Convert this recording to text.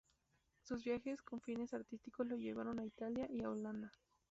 Sus viajes con fines artísticos lo llevaron a Italia y a Holanda.